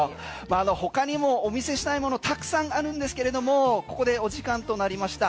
ほかにもお見せしたいものたくさんあるんですけれどもここでお時間となりました。